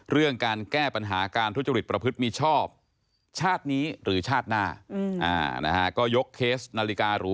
เรื่องการแก้ปัญหาการทุจศิลประพฤติมีชอบชาตินี้หรือชาติหน้า